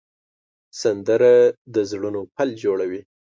سندره د زړونو پل جوړوي